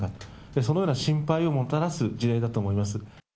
そのような心配をもたらす事例だと思います。